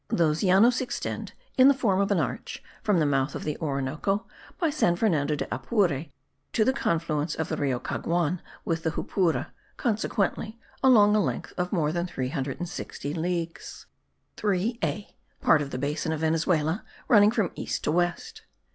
Those Llanos extend, in the form of an arch, from the mouth of the Orinoco, by San Fernando de Apure, to the confluence of the Rio Caguan with the Jupura, consequently along a length of more than 360 leagues. (3a.) PART OF THE BASIN OF VENEZUELA RUNNING FROM EAST TO WEST.